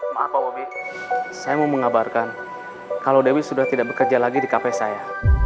maaf pak bobi saya mau mengabarkan kalau dewi sudah tidak bekerja lagi di kp saya